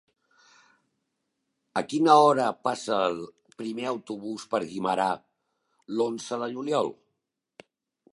A quina hora passa el primer autobús per Guimerà l'onze de juliol?